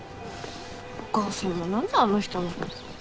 お母さんもなんであの人のこと。